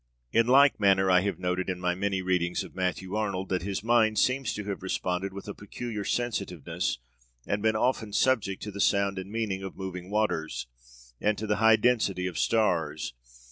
In like manner I have noted in my many readings of Matthew Arnold that his mind seems to have responded with a peculiar sensitiveness, and been often subject to the sound and meaning of moving waters, and to the high destiny of stars.